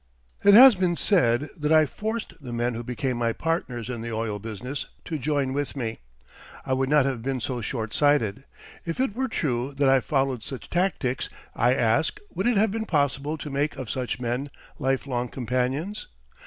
It has been said that I forced the men who became my partners in the oil business to join with me. I would not have been so short sighted. If it were true that I followed such tactics, I ask, would it have been possible to make of such men life long companions?